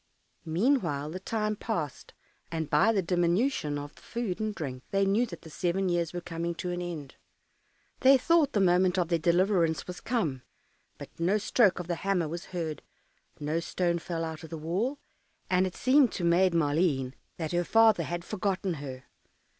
Meanwhile the time passed, and by the diminution of the food and drink they knew that the seven years were coming to an end. They thought the moment of their deliverance was come; but no stroke of the hammer was heard, no stone fell out of the wall, and it seemed to Maid Maleen that her father had forgotten her.